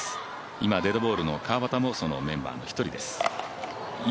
今デッドボールも川畑もそのメンバーの一人です。